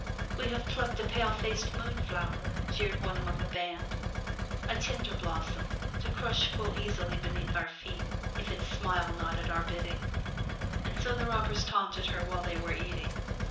*'We have plucked a pale faced moon flower!'' jeered one among the band. '*A tender blossom, to crush full easily beneath our feet if it smile not at our bidding." And so the robbers taunted her while they were eating.